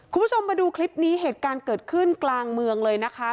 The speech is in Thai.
คุณผู้ชมมาดูคลิปนี้เหตุการณ์เกิดขึ้นกลางเมืองเลยนะคะ